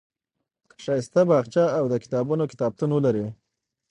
که ښایسته باغچه او د کتابونو کتابتون ولرئ.